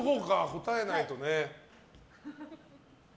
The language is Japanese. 答えないと。